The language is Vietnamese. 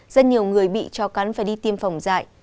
rất nhiều người bị cho cắn phải đi tiêm phòng dại